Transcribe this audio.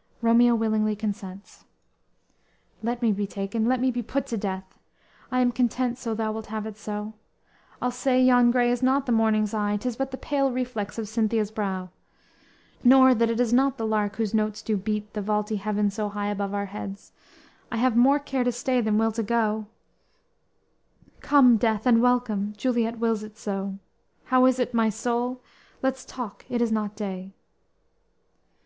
"_ Romeo willingly consents: _"Let me be taken, let me be put to death; I am content so thou wilt have it so; I'll say yon gray is not the morning's eye, 'Tis but the pale reflex of Cynthia's brow! Nor that it is not the lark, whose notes do beat The vaulty heaven so high above our heads; I have more care to stay than will to go; Come, death, and welcome! Juliet wills it so How is it, my soul? Let's talk, it is not day!"